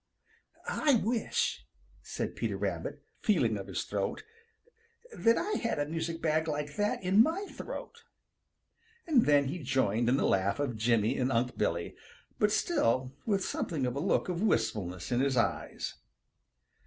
"I wish," said Peter Rabbit, feeling of his throat, "that I had a music bag like that in my throat." And then he joined in the laugh of Jimmy and Unc' Billy, but still with something of a look of wistfulness in his eyes.